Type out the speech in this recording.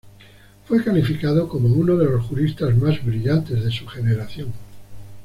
Fue calificado como "uno de los juristas más brillantes de su generación".